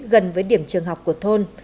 gần với điểm trường học của thôn